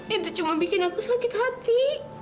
itu cuma bikin aku sakit hati